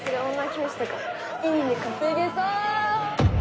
教師とか「イイネ」稼げそう。